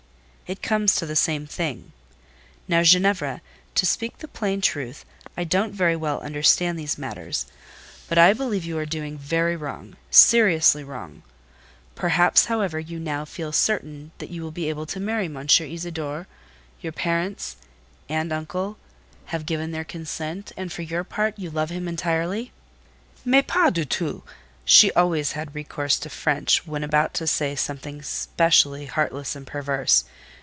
"It comes to the same thing…. Now, Ginevra, to speak the plain truth, I don't very well understand these matters; but I believe you are doing very wrong—seriously wrong. Perhaps, however, you now feel certain that you will be able to marry M. Isidore; your parents and uncle have given their consent, and, for your part, you love him entirely?" "Mais pas du tout!" (she always had recourse to French when about to say something specially heartless and perverse).